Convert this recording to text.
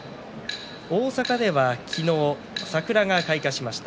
大阪では桜が昨日、開花しました。